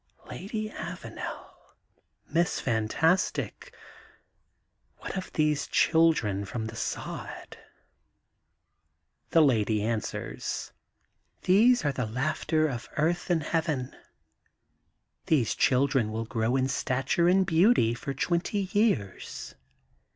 Lady Avanel, Miss Fantastic, what of these children from the sod ?'* The lady answers :These are the laughter of earth and heaven. These children will grow in stature and beauty for twenty years.